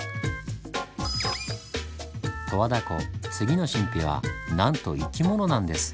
十和田湖次の神秘はなんと生き物なんです。